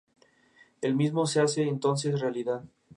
El mismo se hace entonces realidad.